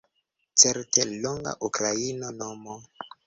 Certe longa Ukraina nomo